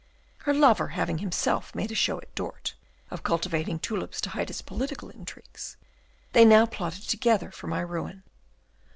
Her lover having himself made a show at Dort of cultivating tulips to hide his political intrigues, they now plotted together for my ruin.